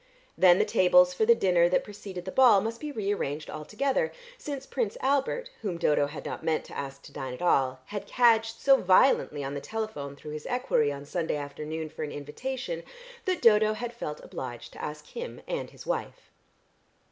Then the tables for the dinner that preceded the ball must be re arranged altogether, since Prince Albert, whom Dodo had not meant to ask to dine at all, had cadged so violently on the telephone through his equerry on Sunday afternoon for an invitation, that Dodo had felt obliged to ask him and his wife.